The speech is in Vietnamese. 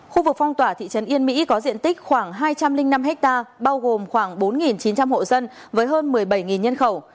khu vực phong tỏa thị trấn yên mỹ có diện tích khoảng hai trăm linh năm ha bao gồm khoảng bốn chín trăm linh hộ dân với hơn một mươi bảy nhân khẩu